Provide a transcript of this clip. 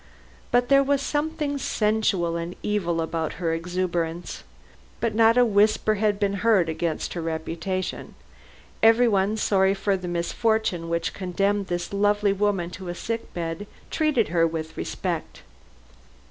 But there was something sensual and evil about her exuberance. But not a whisper had been heard against her reputation. Everyone, sorry for the misfortune which condemned this lovely woman to a sickbed, treated her with respect.